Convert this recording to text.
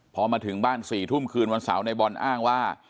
พอมาถึงบ้าน๔ทุ่มคืนวันเสาร์ในบอลอ้างว่า